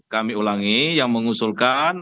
kami ulangi yang mengusulkan